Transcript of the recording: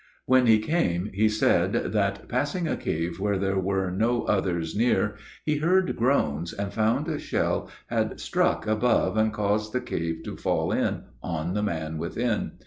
When he came he said that, passing a cave where there were no others near, he heard groans, and found a shell had struck above and caused the cave to fall in on the man within.